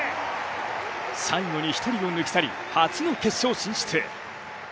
最後に１人を抜き去り、初の決勝進出。